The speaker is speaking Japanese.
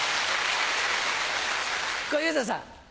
小遊三さん。